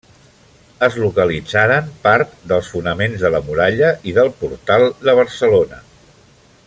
Es localitzaren part dels fonaments de la muralla i del Portal de Barcelona.